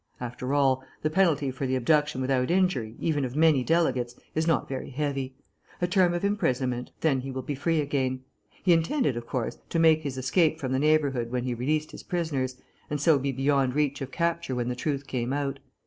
After all, the penalty for the abduction without injury, even of many delegates, is not very heavy. A term of imprisonment, then he will be free again. He intended, of course, to make his escape from the neighbourhood when he released his prisoners, and so be beyond reach of capture when the truth came out.